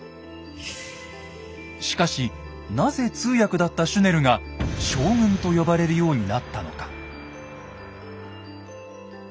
しかしなぜ通訳だったシュネルが「将軍」と呼ばれるようになったのか。